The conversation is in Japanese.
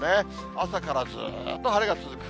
朝からずっと晴れが続く。